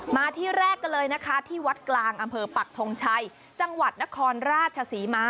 มาที่แรกกันเลยนะคะที่วัดกลางอำเภอปักทงชัยจังหวัดนครราชศรีมา